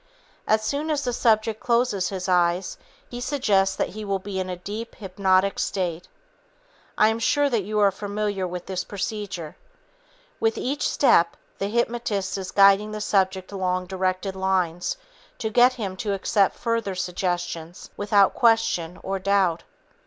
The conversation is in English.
As soon as the subject closes his eyes, he suggests that he will be in a deep hypnotic state. I am sure that you are familiar with this procedure. With each step, the hypnotist is guiding the subject along directed lines to get him to accept further suggestions without question or doubt.